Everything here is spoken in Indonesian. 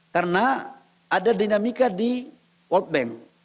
karena ada dinamika di world bank